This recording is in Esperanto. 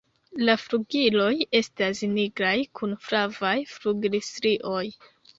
La flugiloj estas nigraj kun flavaj flugilstrioj.